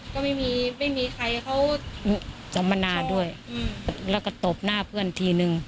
ก็ไม่มีไม่มีใครเขาสัมมนาด้วยแล้วก็ตบหน้าเพื่อนทีนึง